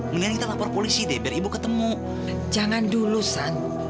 mendingan kita lapor polisi deh biar ibu ketemu jangan dulusan